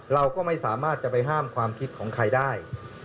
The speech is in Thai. เราก็ไม่สามารถจะไปห้ามความคิดของใครได้